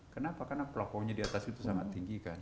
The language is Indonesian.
kenapa karena pelakunya di atas itu sangat tinggi kan